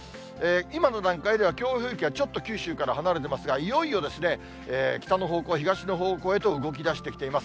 今の段階では、強風域はちょっと九州から離れてますが、いよいよ北の方向、東の方向へと動きだしてきています。